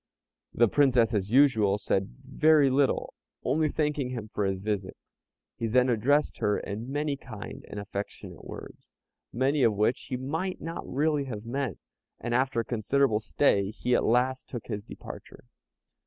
The Princess, as usual, said very little, only thanking him for his visit. He then addressed her in many kind and affectionate words, many of which he might not really have meant, and after a considerable stay he at last took his departure.